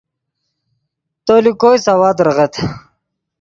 تو لے کوئی سوا دریغت